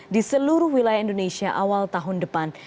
di seluruh wilayah indonesia awal tahun depan